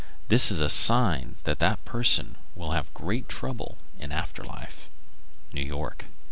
This is a sign that that person will have some great trouble in after life. _New York.